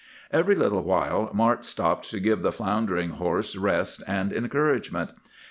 "Every little while Mart stopped to give the floundering horse rest and encouragement.